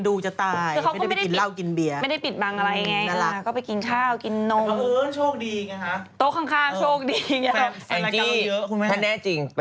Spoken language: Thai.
พี่เขาอาจจะนอนห้องเดียวแต่มีเตียงเสิร์ฟคุณแม่ให้เกียรติภัยจริงค่ะ